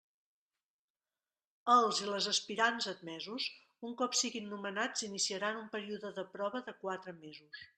Els i les aspirants admesos, un cop siguin nomenats iniciaran un període de prova de quatre mesos.